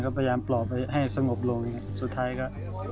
ก็พยายามปลอดไปให้สมบบลงอย่างนี้